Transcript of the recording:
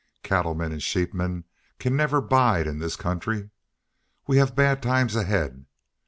Cattlemen and sheepmen can never bide in this country. We have bad times ahead.